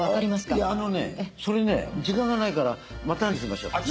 いやあのねそれね時間がないからまたにしましょう。